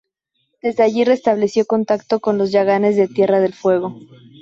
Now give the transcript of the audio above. Desde allí restableció contacto con los yaganes de Tierra del Fuego.